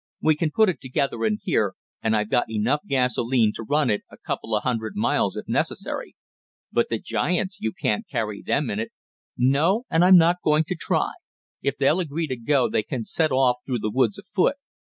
We can put it together in here, and I've got enough gasolene to run it a couple of hundred miles if necessary." "But the giants you can't carry them in it." "No, and I'm not going to try. If they'll agree to go they can set off through the woods afoot.